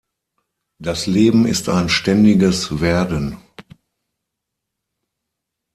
Das Leben ist ein ständiges Werden.